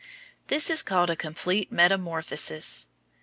This is called a complete metamorphosis.